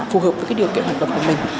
phù hợp với điều kiện học tập của mình